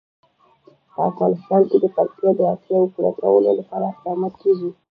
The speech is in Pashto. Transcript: په افغانستان کې د پکتیا د اړتیاوو پوره کولو لپاره اقدامات کېږي.